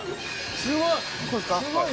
すごい。